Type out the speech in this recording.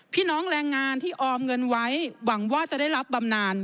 พี่น้องแรงงานที่ออมเงินไว้หวังว่าจะได้รับบำนาน